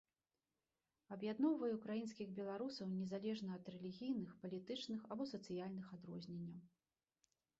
Аб'ядноўвае ўкраінскіх беларусаў незалежна ад рэлігійных, палітычных або сацыяльных адрозненняў.